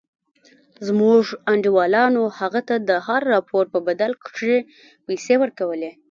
زموږ انډيوالانو هغه ته د هر راپور په بدل کښې پيسې ورکولې.